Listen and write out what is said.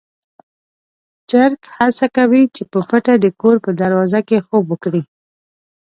چرګ هڅه کوي چې په پټه د کور په دروازه کې خوب وکړي.